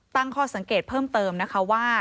ตั้งข้อสังเกตเพิ่มเติมนะคะว่า